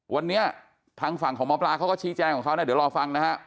วันนี้ทางฝั่งของหมอปลาเขาก็ชี้แจงของเขานะเดี๋ยวรอฟังนะฮะ